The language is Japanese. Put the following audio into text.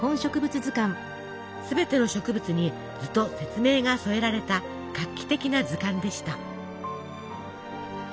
すべての植物に図と説明が添えられた画期的な図鑑でした。